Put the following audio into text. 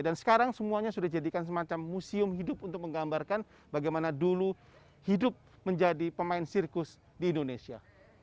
dan sekarang semuanya sudah dijadikan semacam museum hidup untuk menggambarkan bagaimana dulu hidup menjadi pemain sirkus di indonesia